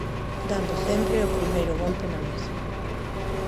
Dando sempre o primeiro golpe na mesa.